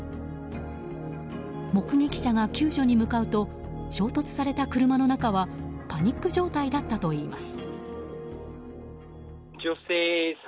目撃者が救助に向かうと衝突された車の中はパニック状態だったといいます。